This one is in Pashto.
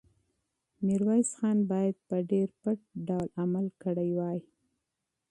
میرویس خان باید په ډېر پټ ډول عمل کړی وی.